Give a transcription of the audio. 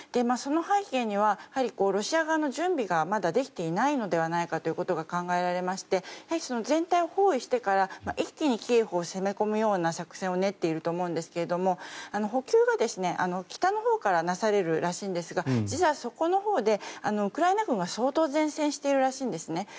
その背景にはやはりロシア側の準備がまだできていないのではないかということが考えられましてやはり、全体を包囲してから一気にキエフを攻め込むような作戦を練っていると思うんですが補給が北のほうからなされるらしいんですが実はそこのほうでウクライナ軍が相当善戦しているらしいんですね。